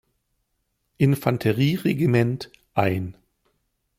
Infanterieregiment ein.